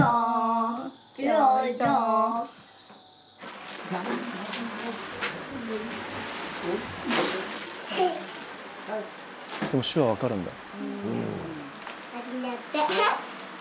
手話分かるんだ。